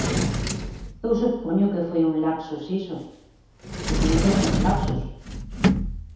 Eu supoño que foi un lapsus iso, supoño que foi un lapsus.